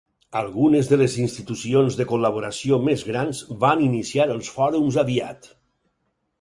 Algunes de les institucions de col·laboració més grans van iniciar els fòrums aviat.